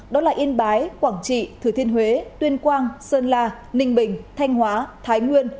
đó là yên bái quảng trị thừa thiên huế tuyên quang sơn la ninh bình thanh hóa thái nguyên